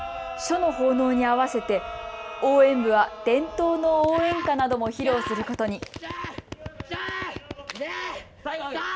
書の奉納に合わせて応援部は伝統の応援歌なども披露することに。